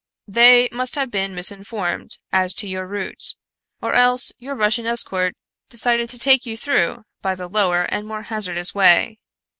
"They must have been misinformed as to your route or else your Russian escort decided to take you through by the lower and more hazardous way.